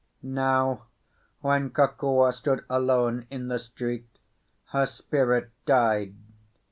Now, when Kokua stood alone in the street, her spirit died.